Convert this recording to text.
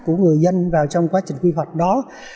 của người dân vào trong quá trình quy hoạch đó